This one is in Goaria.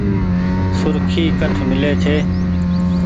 سرکي ڪٺ ميلي ڇي۔